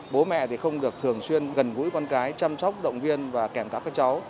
bố mẹ không được thường xuyên gần gũi con cái chăm sóc động viên và kèm các cháu